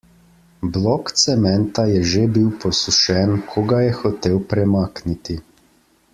Blok cementa je že bil posušen, ko ga je hotel premakniti.